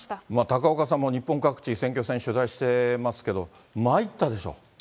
高岡さんも日本各地、選挙戦取材していますけれども、まいったでしょ。